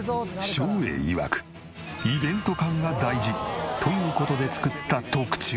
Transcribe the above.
照英いわくイベント感が大事！という事で作った特注のぼり。